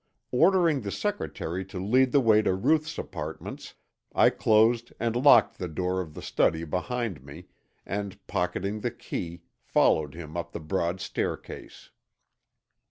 Ordering the secretary to lead the way to Ruth's apartments, I closed and locked the door of the study behind me, and pocketing the key followed him up the broad staircase.